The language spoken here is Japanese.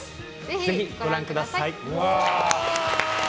ぜひ、ご覧ください。